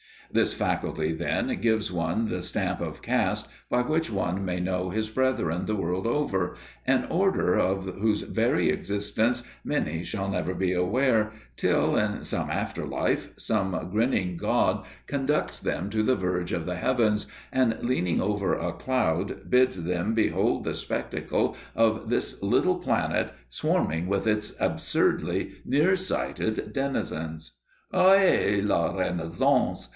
This faculty, then, gives one the stamp of caste by which one may know his brethren the world over, an Order of whose very existence many shall never be aware, till, in some after life, some grinning god conducts them to the verge of the heavens, and, leaning over a cloud, bids them behold the spectacle of this little planet swarming with its absurdly near sighted denizens. _Ohé la Renaissance!